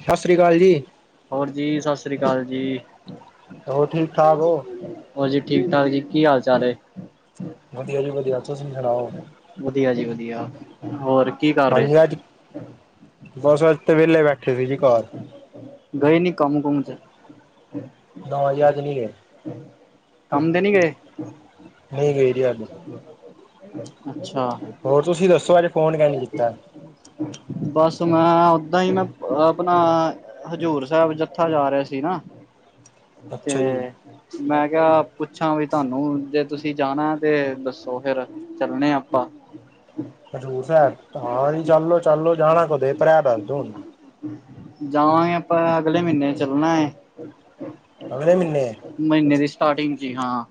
ਸਤਿ ਸ੍ਰੀ ਅਕਾਲ ਜੀ ਹੋਰ ਜੀ ਸਤਿ ਸ਼੍ਰੀ ਅਕਾਲ ਜੀ ਹੋਰ ਠੀਕ ਠਾਕ ਹੋ ਹੋਰ ਜੀ ਠੀਕ ਠਾਕ ਜੀ ਕੀ ਹਾਲ ਚਾਲ ਹੈ ਵਧੀਆ ਜੀ ਵਧੀਆ ਤੁਸੀ ਸੁਣਾਓ ਵਧੀਆ ਜੀ ਵਧੀਆ ਹੋਰ ਕੀ ਕਰ ਰਹੇ ਹਾਂਜੀ ਸੀ। ਅੱਜ ਬਸ ਅੱਜ ਤੇ ਵਿੇਲੇ ਬੈਠੇ ਠੇ ਜੀ ਘ ਗਏ ਨੀ ਕਮਕਮ ਚ ਨੌ ਹਜ਼ਾਰ ਸੁਣਏ ਕੰਮਦੇ ਨੀ ਗਏ ਨਹੀਂ ਗਈ ਰਹੀ ਅਜ ਹ ਹੋਰ ਤੁਸੀਂ ਦੱਸੋ ਅਜੇ ਫੋਨ ਕਿ ਨੀ ਕੀਤਾ ਬਸ ਮੈਂ ਓਦਾਂ ਹੀ ਨਾ ਆਪਣਾ ਹਜ਼ੂਰ ਸਾਹਿਬ ਜਥਾ ਜਾ ਰਿਹਾ ਸੀ ਨਾ ਤੇ ਅੱਛਾ ਜੀ। ਮੈਂ ਪੁੱਛਾਂ ਵੀ ਤੁਹਾਨੂੰ ਜੇ ਤੁਸੀਂ ਜਾਣਾ ਤੇ ਦੱਸੋ ਫੇਿਰ ਚੱਲਣੇ ਆ ਆਪਾਂ ਹਜ਼ੂਰ ਸਾਹਿਬ ਤਾਂ ਜ ਚੱਲੋ ਚੱਲੋ ਜਾਣਾ ਕਦੇ ਭ ਦੱਸਦੋ ਹੁਣ ਜਾਵਾਂਗੇ ਆਪਾਂ ਅਗਲੇ ਮਹੀਨੇ ਚੱਲਣਾ ਅਣੇ ਮਨੇ ਮਹੀਨੇ ਦੀ ਸਟਾਰਟਿੰਗ ਜੀ ਹਾਂ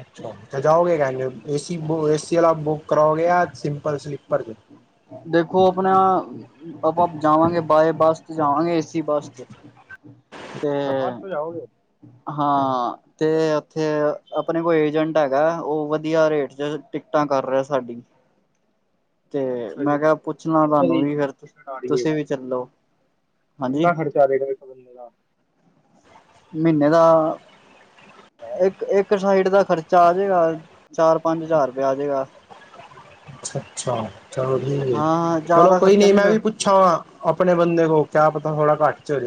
ਅੱਛਾ ਤੇ ਜਾਓਗੇ ਕਹਿੰਏ ਏਸੀ ਵਾਲਾ ਬੁੱਕ ਕਰਾਓਗੇ ਸਿੰਪਲ ਸਲੀਪਰ ਚ ਦੇਖੋ ਆਪਣਾ ਆਪਾਂ ਜਾਵਾਂਗੇ ਬਾਏ ਬੱਸ ਤੇ ਜਾਵਾਂਗੇ ਏਸੀ ਬੱਸ ਤੇ ਤੇ ਅੱਛਾ ਬੱਸ ਤੋਂ ਜਾਓਗੇ। ਹਾਂ ਤੇ ਥੇ ਅੱਛਾ ਆਪਣੇ ਕੋਈ ਏਜੰਟ ਹੈਗਾ ਉਹ ਵਧੀਆ ਰੇਟ ਚ ਟਿਕਟਾਂ ਕਰ ਰਿਹਾ ਸਾਡੀ ਤੇ ਅੱਛਾ ਜੀ ਮੈਂ ਕਿਹਾ ਪੁੱਛਣਾ ਕਿੰਨੇ ਤੁਹਾਨੂੰ ਦੀ ਵੀ ਫੇਰ ਟਿਕਟ ਆ ਰਹੀ ਹੈ ਤੁਸੀਂ ਵੀ ਚੱਲੋ ਹਾਂਜੀ ਕਿੰਨਾ ਖਰਚਾ ਰਹੇਗਾ ਕੁੱਲ ਮਿਲਾ ਕੇ ਮਹੀਨੇ ਦਾ ਇੱਕ ਇੱਕ ਸਾਈਡ ਦਾ ਖਰਚਾ ਆ ਜਾਏਗਾ ਚਾਰ ਪੰਜ ਹਜ਼ਾਰ ਰੁਪਇਆ ਆ ਜੇਗਾ ਅੱਛਾ-ਅੱਛਾ ਚਲੋ ਠੀਕ ਹਾਂ ਚਲੋ ਜ਼ਿਆਦਾ ਕੋਈ ਖਰਚਾ ਨੀ ਨਹੀਂ ਮੈਂ ਵੀ ਪੁੱਛਾਂ ਵਾਂ ਆਪਣੇ ਬੰਦੇ ਕੋਲ ਕਿਆ ਪਤਾ ਥੋੜਾ ਘੱਟ ਸੜ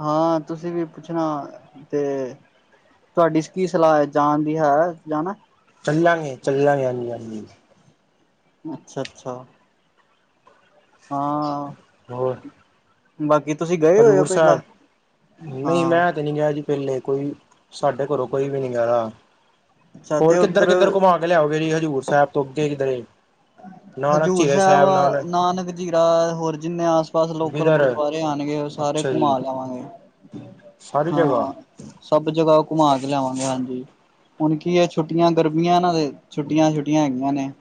ਹਾਂ ਤੁਸੀਂ ਵੀ ਪੁੱਛਣਾ ਤੇ ਤੁਹਾਡੀ ਕੀ ਸਲਾਹ ਜਾਣ ਦੀ ਹੈ ਜਾਣਾ ਹਾਂਜੀ-ਹਾਂਜੀ ਚੱਲਾਂਗੇ ਆਜੀ ਹਾਂਜੀ ਅੱਛਾ-ਅੱਛਾ ਹਾਂ ਹੋਰ ਬਾਕੀ ਤੁਸੀਂ ਗਏ ਹੋਏ ਹੋ ਹਜ਼ੂਰ ਪਹਿਲਾਂ ਸਾਹਿਬ ਨਹੀਂ ਹਾਂ ਮੈਂ ਤੇ ਨੀ ਗਿਆ ਜੀ ਪੇਲੇ ਕੋਈ ਸਾਡੇ ਕੋਲੋਂ ਕੋਈ ਵੀ ਨੀ ਗਦਾ ਅੱਛਾ ਤੇ ਹੋਰ ਉੱਧਰ ਕਿੱਧਰ-ਕਿੱਧਰ ਘੁਮਾ ਕੇ ਲਿਆਓਗੇ ਜੀ ਹਜ਼ੂਰ ਸਾਹਿਬ ਤੋਂ ਅੱਗੇ ਕਿਧਰੇ ਹਜ਼ੂਰ ਸਾਹਿਬ ਨਾਨਕ ਜੀਰਾ ਹੋਰ ਜਿੰਨੇ ਆਸ ਪਾਸ ਲੋਕਲ ਬਿਦਰ ਗੁਰਦੁਆਰੇ ਆਉਣਗੇ ਉਹ ਸਾਰੇ ਅੱਛਾ ਜੀ ਘੁਮਾ ਲੈਵਾਂਗੇ ਸਾਰੀ ਜਗ੍ਹਾ ਹਾਂ ਸਭ ਜਗ੍ਹਾ ਘੁਮਾ ਕੇ ਲਿਆਵਾਂਗੇ ਹਾਂਜੀ ਹੁਣ ਕੀ ਹੈ ਛੁੱਟੀਆਂ ਗਰਮੀਆਂ ਨਾ ਤੇ ਛੁੱਟੀਆਂ-ਛੁੱਟੀਆਂ ਹੈਗੀਆਂ ਨੇ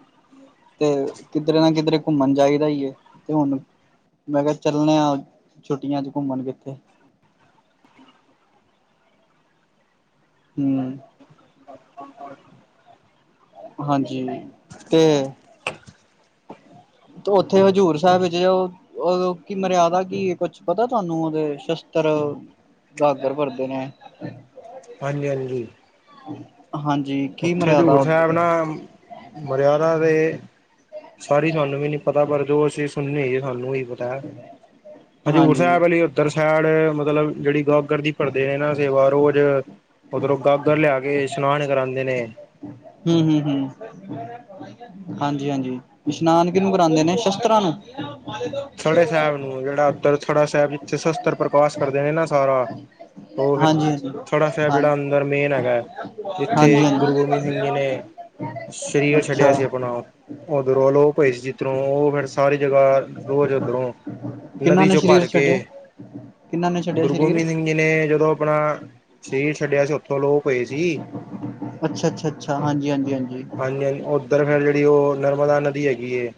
ਤੇ ਕਿਧਰੇ ਨਾ ਕਿਧਰੇ ਘੁੰਮਣ ਚਾਦਾ ਏ ਤੇ ਹੁਣ ਮੈਂ ਕਿਹਾ ਚੱਲਣੇ ਆ ਛੁੱਟੀਆਂ ਚ ਘੁੰਮਣ ਕਿੱਥੇ ਹਮ [inaudible] ਹਾਂਜੀ ਤੇ ਉੱਥੇ ਹਜ਼ੂਰ ਸਾਹਿਬ ਵਿੱਚ ਕੀ ਮਰਿਆਦਾ ਕੀ ਕੁਛ ਪਤਾ ਤੁਹਾਨੂੰ ਉਹਦੇ ਸ਼ਸਤਰ ਗਾਗਰ ਭਰਦੇ ਨੇ ਹਾਂਜੀ ਹਾਂਜੀ [inaudible] ਕੀ ਉੱਥੇ ਮਰਿਆਦਾ ਹਜ਼ੂਰ ਉ ਸਾਹਿਬ ਨਾ ਮਰਿਆਦਾ ਤੇ ਸਾਰੀ ਤੁਹਾਨੂੰ ਵੀ ਨੀ ਪਤਾ ਪਰ ਜੋ ਅਸੀਂ ਸੁਣੇ ਸਾਨੂੰ ਹਜ਼ੂਰ ਹਾਂਜੀ ਸਾਹਿਬ ਵਾਲੀ ਉਓਧਰ ਸਾਈਡ ਮਤਲਬ ਜਿਹੜੀ ਗਾਗਰ ਦੀ ਭੜਦੇ ਨੇ ਨਾ ਸੇਵਾ ਰੋਜ਼ ਉਓਧਰੋਂ ਗਾਗਰ ਲਿਆ ਕੇ ਇਸ਼ਨਾਨ ਕਰਾ ਆਂਦੇ ਨ ਹਮ -ਹਮ, ਹਮ ਹਾਂਜੀ- ਹਾਂਜੀ ਇਸ਼ਨਾਨ ਕਿਹਨੂੰ ਕਰਾਉਂਦੇ ਨੇ ਸ਼ਸਤਰਾਂ ਨੂੰ। ਥੜਾ ਸਾਹਿਬ ਨੂੰ ਜਿਹੜਾ ਉੱਤਰ ਥੜਾ ਸਾਹਿਬ। ਅਤੇ ਸ ਪੱਤਰ ਪ੍ਰਕਾਸ਼ ਕਰਦੇ ਨੇ ਨਾ ਸਾਰਾ। ਹਾਂਜੀ ਉਹ ਫਿਰ ਹਾਂਜੀ ਥੜਾ ਸਾਿਰਬ ਜਿਹੜਾ ਹਾਂਜੀ ਅੰਦਰ ਮੇਨ ਹੈਗਾ ਹੈ। ਹਾਂਜੀ -ਹਾਂਜੀ। ਸਰੀਰ ਛੱਡਿਆ ਅੱਛਾ ਸੀ ਆਪਣਾ ਉਹ ਉਧਰੋਂਲਓ ਭਾਈ ਸੀ ਜਿੱਧਰੋਂ ਉਹ ਫੇਿਰ ਸਾਰੀ ਜਗ੍ਹਾ ਰੋਜ ਓਦਰੋ ਕਿਹਨਾਂ ਨਦੀ ਨੇ ਚੋਂ ਭਰ ਸਰੀਰ ਕੇ ਛੱਡਿਆ ਕਿਹਨਾਂ ਨੇ ਛੱਡਿਆ ਗੁਰੂ ਸਰੀਰ ਗੋਬਿੰਦ ਸਿੰਘ ਜੀ ਨੇ ਜਦੋਂ ਆਪਣਾ ਸਰੀਰ ਛੱਡਿਆ ਸੀ ਉ ਅਲੋਪ ਹੋਏ ਸੀ। ਅੱਛਾ ਅੱਛਾ ਅੱਛਾ ਹਾਂਜੀ ਹਾਂਜੀ। ਹਾਂਜੀ ਹਾਂਜੀ ਉੱਧਰ ਫੇਿਰ ਜਿਹੜੀ ਉਹ। ਨਰਮਦਾ ਨਦੀ ਹੈ।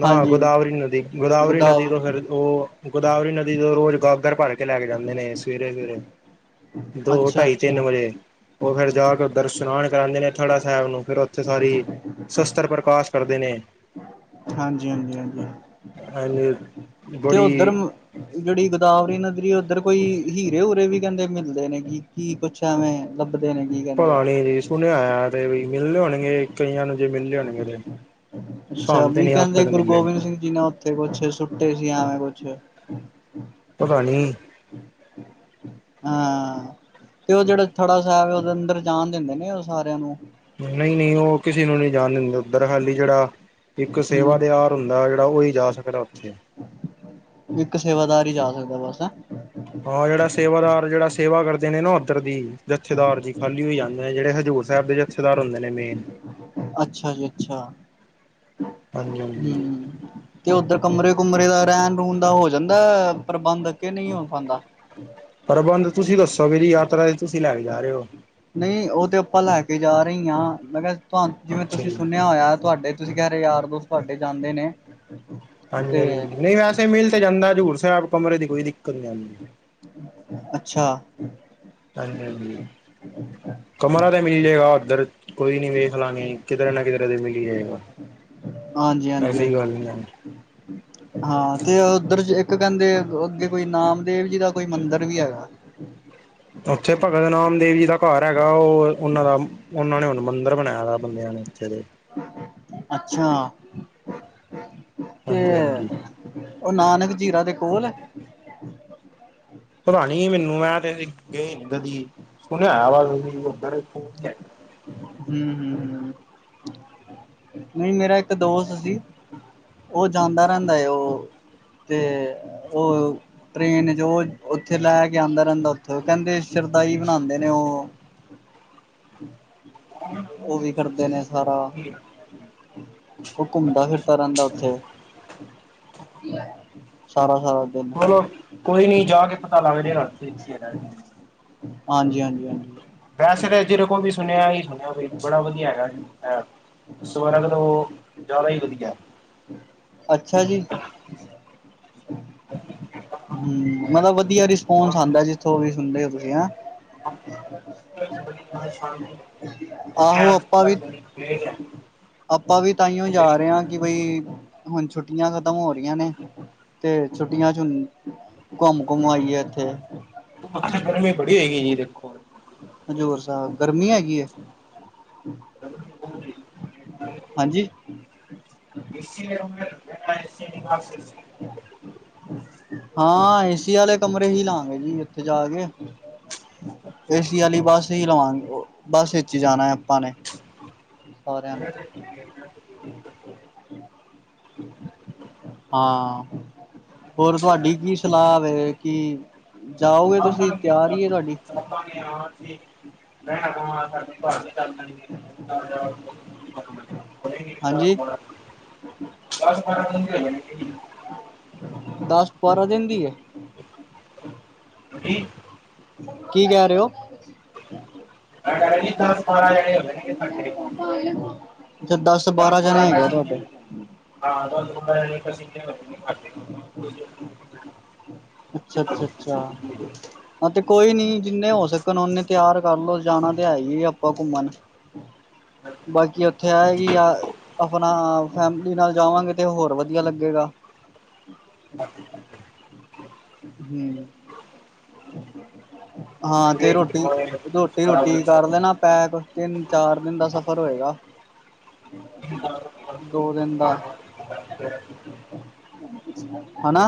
ਨਾ ਹਾਂਜੀ ਗੋਦਾਵਰੀ ਨਦੀ- ਗੋਦਾਵਰੀ ਨਦੀ ਗੁਦਾਵ ਤੋਂ ਫਿਰ ਉਹ ਗੋਦਾਵਰੀ ਨਦੀ ਤੋਂ ਰੋਜ਼ ਗ ਭ [inaudible] ਲੈ ਕੇ ਜਾਂਦੇ ਨੇ ਸਵੇਰੇ -ਸਵੇਰੇ ਦੋ, ਅੱਛਾ ਢਾਈ, ਤਿੰਨ, ਅੱਛਾ ਵਜੇ ਉਹ ਫੇਰ ਜਾ ਕੇ ਉ ਦਰ ਇਸ਼ਨਾਨ ਕਰਾਉਂਦੇ ਨੇ ਅੜਾ ਸਾਹਿਬ ਨੂੰ ਫਿਰ ਉੱਥੇ ਸਾਰੀ ਸ਼ਸਤਰ ਪ੍ਰਕਾਸ਼ ਕਰਦੇ ਦੇ ਨੇ ਹਾਂਜੀ -ਹਾਂਜੀ, ਹਾਂਜੀ ਤੇ ਉੱਧਰ ਬੜੀ ਜਿਹੜੀ ਗੋਦਾਵਰੀ ਨਦੀਰੀ ਉੱਧਰ ਕੋਈ ਹੀਰੇ ਹੁਰੇ ਵੀ ਕਹਿੰਦੇ ਮਿਲਦੇ ਨੇ ਕਿ ਕੀ ਪੁੱਛਿਆ ਮੈਂ ਪਤਾ ਨੀ ਜੀ ਸੁਣਿਆ ਹੋਇਆ ਤੇ ਮਿਲਲੇ ਹੋਣਗੇ ਕਈਆਂ ਨੂੰ ਜਿਵੇ ਅੱਛਾ ਤੇ ਵੀ ਨੀ ਅੱਜ ਕਹਿੰਦੇ ਤੱਕ ਗੁਰੂ ਮਿਲੇ ਗੋਬਿੰਦ ਸਿੰਘ ਜੀ ਨੇ ਉੱਥੇ ਕੁਛ ਸੁੱਟੇ ਸੀ ਆਵੇਂ ਕੁਛ। ਹਮ। ਪਤਾ ਨੀ। ਹਾਂ ਤੇ ਉਹ ਜਿਹੜਾ ਥੜਾ ਸਾਹਿਬ ਉਹਦੇ ਅੰਦਰ ਜਾਣ ਦਿੰਦੇ ਨੇ ਉਹ ਸਾਰਿਆਂ ਨੂੰ। ਨਹੀਂ- ਨਹੀਂ ਉਹ ਕਿਸੇ ਨੂੰ ਨਹੀਂ ਜਾਣ ਦਿੰਦੇ। ਉਧਰ ਖਾਲੀ ਜਿਹੜਾ ਇੱਕ ਸੇਵਾ ਹੂੰ ਦੇ ਆਹਾਰ ਹੁੰਦਾ ਜਿਹੜਾ ਉਹੀ ਜਾ ਸਕਦਾ ਉੱਥੇ ਇੱਕ ਸੇਵਾਦਾਰ ਹੀ ਜਾ ਸਕਦਾ ਬਸ। ਹਾਂ ਜਿਹੜਾ ਸੇਵਾਦਾਰ ਜਿਹੜਾ ਸੇਵਾ ਕਰਦੇ ਨੇ ਨਾ ਉੱਧਰ ਦੀ ਜਥੇਦਾਰ ਜ ਖਾਲੀ ਹੋ ਜਾਂਦੇ ਜਿਹੜੇ ਹਜ਼ੂਰ ਸਾਹਿਬ ਦੇ ਜਥੇਦਾਰ ਹੁੰਦੇ ਨੇ ਮੇਨ ਅੱਛਾ ਜੀ ਅੱਛਾ ਹਾਂਜੀ ਹਾਂਜੀ ਹਮ ਤੇ ਉੱਧਰ ਕਮਰੇ ਕਮਰੇ ਦਾ ਰਹਿਣ ਰੂਹਣ ਦਾ ਹੋ ਜਾਂਦਾ ਪ੍ਰਬੰਧ, ਕੇ ਨਹੀਂ ਹੋ ਪਾਂਦਾ? ਪ੍ਰਬੰਧ ਤੁਸੀਂ ਦੱਸੋ, ਵੀਰ ਯਾਰ। ਤੁਸੀਂ ਲੈ ਕੇ ਜਾ ਰੇ ਹੋ ਨਹੀਂ, ਉਹ ਤੇ ਆਪਾਂ ਲੈ ਕੇ ਜਾ ਰਹੀ ਹਾਂ, ਮੈਂ ਕਿਹਾ। ਤੁਹਾਨੂੰ, ਜਿਵੇਂ ਅੱਛਾ ਤੁਸੀਂ ਜੀ ਸੁਣਿਆ ਹੋਇਆ, ਤੁਹਾਡੇ ਤੁਸੀਂ ਕਹਿ ਰਹੇ ਹੋ, ਯਾਰ, ਦੋ ਤੁਹਾਡੇ, ਜਾਂਦੇ ਨੇ। ਹਾਂਜੀ, ਤੇ ਹਾਂਜੀ! ਨਹੀਂ ਵੈਸੇ ਮਿਲ ਤੇ ਜਾਂਦਾ, ਹਜ਼ੂਰ ਸਾਹਿਬ ਕਮਰੇ ਦ ਕੋਈ ਦਿੱਕਤ ਨੀ ਆਨ ਅੱਛਾ। ਹਾਂਜੀ, ਹਾਜੀ ਕਮਰਾ ਤਾਂ ਮਿਲਹੀ ਜਾਏਗਾ, ਉੱਧਰ ਕੋਈ ਨੀ, ਵੇਖ ਲਾਂਗੇ ਕਿਧਰੇ ਨਾ ਕਿਧਰੇ ਤੇ ਮਿਲਲੀ ਜਾਏਗਾ ਹਾਂਜੀ, ਹਾਂਜੀ, ਐਸੀ ਗੱਲ ਹਾਂਜੀ। ਨਹੀਂ ਹੈ। ਹਾਂ ਤੇ ਉਧਰ ਜੇ ਇੱਕ ਕਹਿੰਦੇ, ਅੱਗੇ ਕੋਈ ਨਾਮਦੇਵ ਜੀ ਦਾ ਕੋਈ ਮੰਦਿਰ ਵੀ ਹੈਗਾ। ਉੱਥੇ ਭਗਤ ਨਾਮ ਦੇਵ ਜੀ ਦਾ ਘਾਰ ਹੈਗਾ। ਉਹ ਉਹਨਾਂ ਦਾ ਉਹਨਾਂ ਨੇ ਹੁਣ ਮੰਦਰ ਬਣਾਇਆ ਬੰਦਿਆਂ ਨੇ ਉੱਥੇ ਦੇ। ਅੱਛਾ। ਤੇ ਹਾਂਜੀ ਹਾਂਜੀ। ਉਹ ਨਾਨਕ ਚੀਰਾ ਦੇ ਕੋਲ ਹੈ ਪਤਾ ਨੀ ਮੈਨੂੰ। ਮੈਂ ਗਏ ਨੀ ਕਦੀ, ਸੁਣ ਨਾ ਆਵਾਜ਼ ਉ [inaudible] ਹੋ [inaudible] ਹਮ ਹਮ ਹਮ ਨਹੀਂ। ਮੇਰਾ ਇੱਕ ਦੋਸਤ ਸੀ । ਉਹ ਜਾਂਦਾ ਰਹਿੰਦਾ। ਉਹ ਤੇ ਉਹ ਟਰੇਨ ਜੋ ਉੱਥੋਂ ਲੈ ਕੇ ਆਂਦਾ ਰਹਿੰਦਾ, ਉਓਥੋਂ ਕਹਿੰਦੇ ਸ਼ਰਦਾਈ ਬਣਾਨਦੇ ਉਹ। ਉਹ ਵੀ ਕਰਦੇ ਨੇ ਸਾਰਾ, ਉਹ ਘੁੰਮਦਾ ਫਿਰਦਾ ਰਹਿੰਦਾ ਉਓਥੇ। ਸਾਰਾ ਚਲੋ। ਕੋਈ ਨੀ ਜਾ ਕੇ ਪਤਾ ਲਗਜੇ ਗਾ, [inaudible] ਹਾਂਜੀ, ਹਾਂਜੀ, ਹਾਂਜੀ। ਵੈਸੇ ਤੇ ਜੇਦੇ ਕੋਵੀ ਸੁਣਿਆ ਹੀ [inaudible] ਬੜਾ ਵਧੀਆ ਹੈਗਾ ਜੇ ਸਵਰਾਂ ਤੋ, ਜ਼ਿਆਦਾ ਹੀ ਵਧੀਆ। ਅੱਛਾ ਜੀ ਹ [inaudible] ਹਮ। ਮਤਲਬ ਵਧੀਆ ਰਿਸਪੋਂਸ ਨੂੰ ਆਂਦਾ, ਜਿੱਥੋਂ ਵੀ ਸੁਣਦੇ ਹੋ। [inaudible] ਹ। ਬੜੀ ਮਨ ਸ਼ਾਂਤੀ ਆਹੋ ਆਪਾਂ ਵੀ [unintelligible] ਆਪਾਂ ਵੀ ਤਾਂਹੀਓ ਜਾ ਰਹੇ ਹਾਂ ਕਿ ਬਈ ਹੁਣ ਛੁੱਟੀ ਛੁੱਟੀਆਂ ਖਤਮ ਹੋ ਰਹੀਆਂ ਨੇ ਤੇ ਛੁੱਟੀਆਂ ਚ ਘੁੰਮ ਘੁੰਮ ਆਈਏ ਇੱਥੇ ਇੱਕਿੱਖੋ ਹਜ਼ਰ ਸਾਹਿਬ ਗਰਮੀ ਹੈਗੀ ਹੈ। [unintelligible] ਅ ਸ ਹ। ਹਾਂ ਏਸੀ ਵਾਲੇ ਕਮਰੇ ਹੀ ਲਾਗੇ ਜੀ ਇੱਥੇ ਜਾ ਕੇ ਏਸੀ ਵਾਲੀ ਬਸ ਨਹੀਂਹੀ ਲਵਾਂਗੇ। ਬਸ ਇਸ ਚ ਹੀ ਜਾਣਾ ਹੈ ਆਪਾਂ ਨੇ ਸਾਰਿਆਂ ਨੇ [inaudible] ਹਮ ਹ। ਹਾਂ। ਹੋਰ ਤੁਹਾਡੀ ਕੀ ਸਲਾਹ ਵ ਕਿ ਜਾਓਗੇ ਤੁਸੀਂ ਤਿਆਰ ਹੀ ਤੁਹਾਡੀ ਬ ਮ ਸ। ਹਾਂਜੀ [unintelligible] ਹਾਂ। ਉਹ [unintelligible] ਦਸ ਬਾਰਾਂ ਦਿਨ ਦੀ ਹੈ। ਜ। ਕੀ ਕਹਿ ਰਹੇ ਹੋ ਡਾਇਲੀ ਦਸ ਬਾਰਾਂ ਜਾਣੇ ਹੋਦੇ ਨੇਗੇ ਸਾਡੇ ਅੱੇ ਦਸ ਬਾਰਾਂ ਜਣੇ ਹੈਗੇ ਆ ਤੁਹਾਡੇ [unintelligible] ਅੱਛਾ ਅੱਛਾ ਅੱਛਾ ਹਾਂ ਤੇ ਕੋਈ ਨੀ ਜਿੰਨੇ ਹੋ ਸਕਣ ਓਨੇ ਤਿਆਰ ਕਰਲ ਲੋ ਜਾਣਾ ਤੇ ਹੈ ਹੀ ਆਪਾਂ ਘੁੰਮਣ ਬਾਕੀ ਉੱਥੇ ਆਏਗੀ ਯ ਆਪਣਾ ਫੈਮਲੀ ਨਾਲ ਜਾਵਾਂਗੇ ਤੇ ਹੋਰ ਵਧੀਆ ਲੱਗੇਗਾ। ਹਮ। ਹਾਂ ਤੇ ਰੋਟੀ ਰੋਟੀ ਰੋਟੀ ਕਰ ਲੈਣਾ ਪੈ ਕੁ ਤਿੰਨ ਚਾਰ ਦਿਨ ਦਾ ਸਫ਼ਰ ਹੋਏਗਾ। ਦੋ ਦਿਨ ਦਾ [unintelligible] ਹਨਨਾ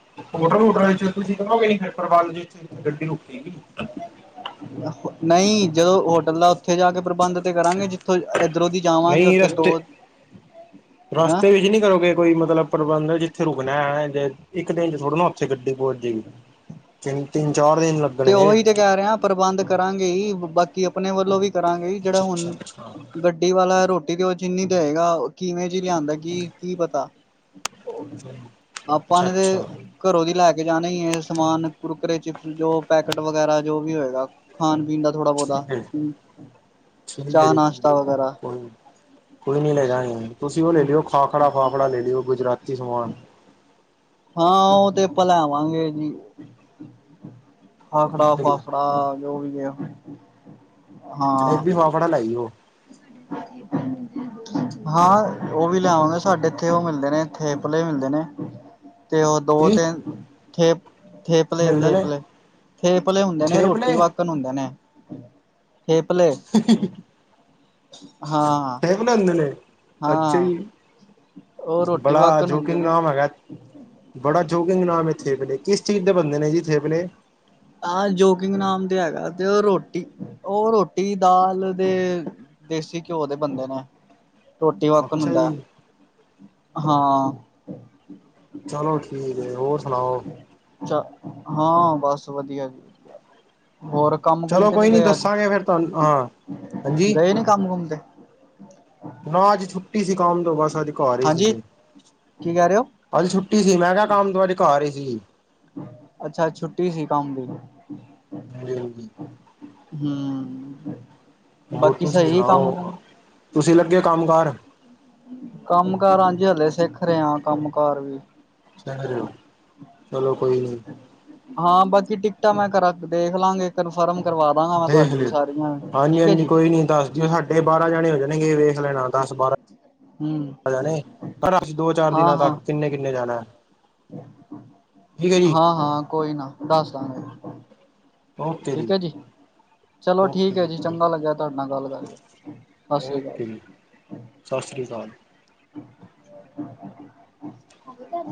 [unintelligible] [unintelligible] ਨਹੀਂ [inaudible] ਜਦੋਂ, ਹੋਟਲ ਦਾ ਓਥੇ ਜਾ ਕੇ ਪ੍ਰਬੰਧ ਤੇ ਕਰਾਂਗੇ। ਜਿੱਥੋਂ ਏਧਰੋਂ ਦੀ ਜਾਵਾਂਗੇ, ਨਹੀਂ ਓਥੇ ਰਸਤੇ ਦੋ--ਹੈ। ਰਸਤੇ ਵਿੱਚ ਨਹੀਂ ਕਰੋਗੇ ਕੋਈ ਮਤਲਬ ਪ੍ਰਬੰਧ [inaudible] ਇੱਕ ਦਿਨ ਚ, ਥੋੜਾ ਨਾ, ਉੱਥੇ ਗੱਡੀ [inaudible] ਦਿਨ ਤੇ ਲੱਗਣਗੇ ਓਹੀ ਤੇ ਕਹਿ ਰੇਹਾ, ਪ੍ਰਬੰਧ ਕਰਾਂਗੇ ਹੀ--ਬਾਕੀ ਕਿ ਅਪਣੇ ਵੱਲੋਂ ਵੀ। ਕਰਾਂਗੇ ਈ, ਜਿੜਾ ਅੱਛਾ ਹੁਣ ਅੱਛਾ ਅੱਛਾ। ਗੱਡੀ ਵਾਲਾ, ਰੋਟੀ [inaudible] ਜਿੰਨੀ ਦੇਏਗਾ, ਕਿਵੇਂ ਜੀ ਲਿਆਂਦਾ ਕੀ, ਕੀ ਪਤਾ ਆਪਾਂ ਅੱਛਾ ਨੇ ਅੱਛਾ ਤੇ ਘਰੋਂ ਦੀ ਲੈ ਕੇ ਜਾਣਾ ਹੀ ਏ ਸਮਾਨ। ਕੁਰਕੁਰੇ ਚਿਪਸ ਜੋ ਟ ਵਗੈਰਾ, ਜੋ ਵੀ ਹੋਏਗਾ, ਖਾ ਚਾਹ ਨਾਸ਼ਤਾ ਵਗੈਰਾ [unintelligible] ਹਾਂ, ਓ ਤੇ ਭਲਾਵਾਂਗੇ ਜੀ। ਠੀਕ ਹੈ ਜੀ ਖਾਖੜਾ-ਫਾਫੜਾ ਜੋ ਵੀ [unintelligible] ਹਾਂ [unintelligible] ਹਾਂ, ਓ ਵੀ ਲਿਆਵਾਗੇਂ। ਸਾਡੇ ਇੱਥੇ ਓ ਮਿਲਦੇ ਨੇ, ਥੇਪਲੇ ਮਿਲਦੇ ਨੇ। ਤੇ ਓ ਦੋ ਜੀ ਤਿਨ ਥੇਪ ਥੇਪਲੇ, ਮਿਲਦੇ ਨੇ ਥੇਪਲੇ, ਥੇਪਲੇ ਹੁੰਦੇ ਨੇ। ਰੋਟੀ ਥੇਪਲੇ ਵਾਕਣ ਹੁੰਦੇ ਨੇ। [unintelligible] ਥੇਪਲੇ। ਹਾਂ ਥੇਪਲੇ ਹੁੰਦੇ ਨੇ ਅੱਛਾ ਹਾਂ ਹੀ ਉਹ ਰੋਟੀ ਬੜਾ ਵਾਕਣ ਹੁੰਦੇ ਜੋਕਿੰਗ ਨੇ ਨਾਮ ਏਗਾ--ਬੜਾ ਜੋਕਿੰਗ ਨਾਮ ਏ, ਥੇਪਲੇ। ਕਿਸ ਚੀਜ਼ ਦੇ ਬੰਦੇ ਨੇ ਜੀ? ਥੇਪਲੇ ਆ ਜੋਕਿੰਗ ਨਾਮ ਤੇ ਐ [inaudible] ਓ ਰੋਟੀ, ਓ ਰੋਟੀ, ਦਾਲ ਦੇ ਦੇਸੀ ਕਿਓ, ਦੇ ਬੰਦੇ ਨੇ ਰੋਟੀ ਵਾਕਨ, ਅੱਛਾ ਉਦੈਂ। ਜੀ ਹਾਂ। ਚਲੋ ਠੀਕ ਹੈ, ਹੋਰ ਸੁਣਾਓ? ਜਾਂ ਹਾਂ ਬਸ ਵਧੀਆ ਜੀ ਵਧੀਆ ਹੋਰ ਕੰਮ ਕੁਮ ਚਲੋ ਤੇ ਕੋਈ ਨੀ ਗਏ ਅੱਜ ਦੱਸਾਂਗੇ, ਫਿਰ ਤੁਹਾਨੂੰ ਹਾਂ ਹਾਂਜੀ ਗਏ ਨੀ ਕੰਮ ਕੁਮ ਤੇ ਹਾਂ, ਅੱਜ ਛੁੱਟੀ ਸੀ ਕੌਮ ਤੋਂ ਬਸ ਅੱਜ ਘਰ ਹੀ ਹਾਂਜੀ ਸੀਗੇ। ਕੀ ਕਹਿ ਰਹੇ ਹੋ? ਅੱਜ ਛੁੱਟੀ ਸੀ ਮੈਂ ਕਿਹਾ ਕੰਮ ਤੋਂ ਅੱਜ ਘਰ ਈ ਜੀ। ਅੱਛਾ ਛੁੱਟੀ ਸੀ ਕੰਮ ਦੀ। ਹਮ। ਹਮ। ਹੋਰ ਬਾਕੀ ਤੁਸੀਂ ਸਹੀ ਕੰਮ ਕੁਮ ਸੁਣਾਓ, ਤੁਸੀਂ ਲੱਗੇ ਕੰਮ ਕਾਰ? ਕਾਮ ਕਰ ਹਾਂ ਜੀ ਕੰਮ ਕਾਰ ਹਲੇ ਸਿੱਖ ਰਹੇ ਕੰਮ ਕਾਰ ਵੀ। ਚਾਲ ਚਲੋ। ਕੋਈ ਨੀ ਹਾਂ, ਬਾਕੀ ਟਿਕਟਾਂ ਮੈਂ ਕਰਾ ਦੇਖ ਲਾਂਗੇ ਕਨਫਰਮ ਕਰਵਾ ਦਾਂਗਾ ਮੈਂ ਦੇਖ ਤੁਹਾਡੀ ਲਿਓ ਸਾਰੀਆਂ ਹਾਂਜੀ ਠੀਕ ਹੈ ਹਾਂਜੀ ਜੀ ਕੋਈ ਨੀ ਦੱਸ ਜਓ ਸਾਡੇ ਬਾਰਾਂ ਜਾਣੇ ਹੋ ਜਾਣੇਗੇ ਵੇਖ ਲੈਣਾ ਦਸ ਹਮ ਬਾਰਾਂ ਜਾਣੇ ਪਰ ਅਸੀ ਦੋ ਚਾਰ ਹਾਂ ਦਿਨਾਂ ਤੱਕ ਹਾਂ ਕਿੰਨੇ ਕਿੰਨੇ ਜਾਣਾ। ਠੀਕ ਹੈ ਜੀ ਹਾਂ ਹਾਂ ਕੋਈ ਨਾ ਦੱਸ ਦਾਂਗੇ। ਠੀਕ ਹੈ ਜੀ ਚਲੋ ਠੀਕ ਹੈ ਜੀ ਚੰਗਾ ਲੱਗਿਆ ਤੁਹਾਡੇ ਨਾਲ ਗੱਲ ਕਰਏ ਸਤਿ ਸ੍ਰੀ ਅਕਾਲ ਜੀ। ਸਤਿ ਸ਼੍ਰੀ ਅਕਾਲ ਹੋ ਤਾਂ